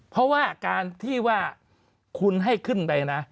เพราะว่าการที่ว่าคุณให้ขึ้นไปนะ